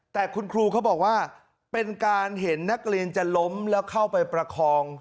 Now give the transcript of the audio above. แต่คุณครูเขาบอกว่าเป็นการเห็นนักเรียนจะล้มแล้วเข้าไปประคอง